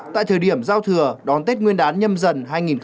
tại thời điểm giao thừa đón tết nguyên đán nhâm dần hai nghìn hai mươi